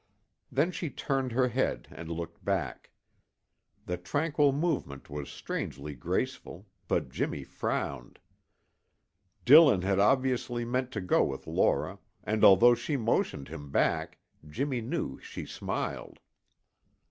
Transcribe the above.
Then she turned her head and looked back. The tranquil movement was strangely graceful, but Jimmy frowned. Dillon had obviously meant to go with Laura, and although she motioned him back Jimmy knew she smiled.